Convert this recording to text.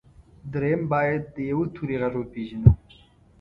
درېيم بايد د يوه توري غږ وپېژنو.